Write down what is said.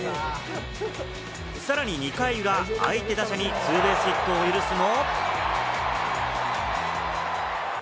さらに２回裏、相手打者にツーベースヒットを許すも。